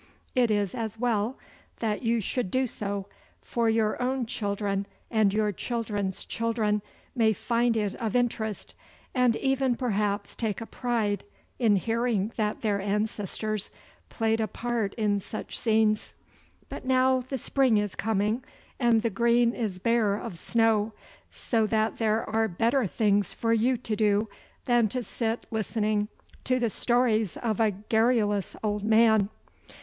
It is as well that you should do so, for your own children and your children's children may find it of interest, and even perhaps take a pride in hearing that their ancestors played a part in such scenes. But now the spring is coming, and the green is bare of snow, so that there are better things for you to do than to sit listening to the stories of a garrulous old man.